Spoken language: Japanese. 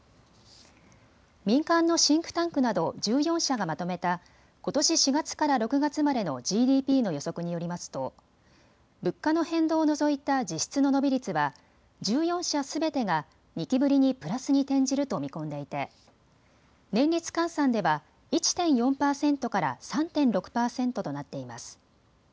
民間のシンクタンクなど１４社がまとめた、ことし４月から６月までのＧＤＰの予測によりますと物価の変動を除いた実質の伸び率は１４社すべてが２期ぶりにプラスに転じると見込んでいて年率換算では１．４％から３．６％となっています。